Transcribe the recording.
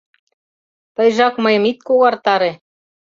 Тыйжак мыйым ит когартаре!..